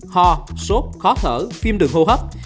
ho sốt khó thở phim đường hô hấp